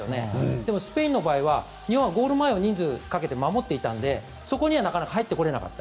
でも、スペインの場合は日本はゴール前に人数をかけて守っていたのでそこにはなかなか入れなかった。